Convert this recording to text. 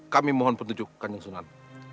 kami mohon petunjuk kanjeng sunan